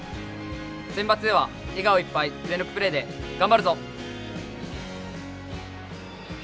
センバツでは笑顔いっぱい全力プレーで頑張るぞ！